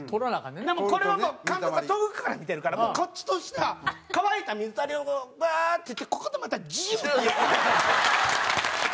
でもこれはもう監督が遠くから見てるからこっちとしては乾いた水たまりをワーッてやってここでまたジュッて。